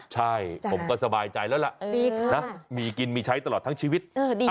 ใช่ผมก็สบายใจแล้วล่ะมีกินมีใช้ตลอดทั้งชีวิต